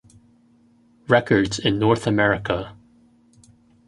Records in North America.